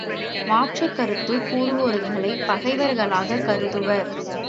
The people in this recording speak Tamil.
மாற்றுக் கருத்துக் கூறுவோர்களைப் பகைவர்களாகக் கருதுவர்.